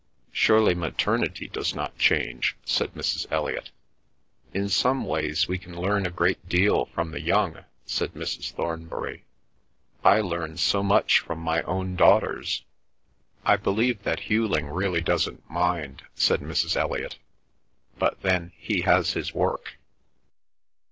"Surely maternity does not change," said Mrs. Elliot. "In some ways we can learn a great deal from the young," said Mrs. Thornbury. "I learn so much from my own daughters." "I believe that Hughling really doesn't mind," said Mrs. Elliot. "But then he has his work."